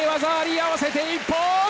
合わせて一本！